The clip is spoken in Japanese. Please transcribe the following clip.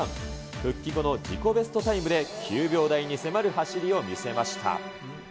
復帰後の自己ベストタイムで９秒台に迫る走りを見せました。